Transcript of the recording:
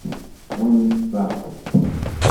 Ɣunfaɣ-tt.